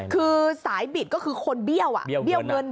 คือสายบิดก็คือคนเบี้ยวเบี้ยวเงิน